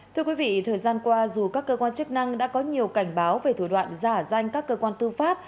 thưa quý vị thời gian qua dù các cơ quan chức năng đã có nhiều cảnh báo về thủ đoạn giả danh các cơ quan tư pháp